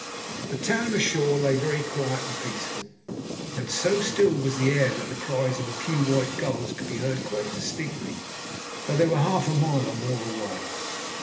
The town ashore lay very quiet and peaceful, and so still was the air that the cries of a few white gulls could be heard quite distinctly, though they were half a mile or more away.